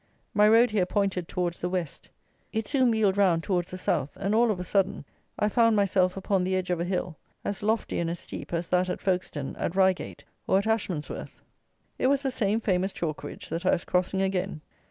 My road here pointed towards the west. It soon wheeled round towards the south; and, all of a sudden, I found myself upon the edge of a hill, as lofty and as steep as that at Folkestone, at Reigate, or at Ashmansworth. It was the same famous chalk ridge that I was crossing again.